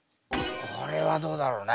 これはどうだろうね？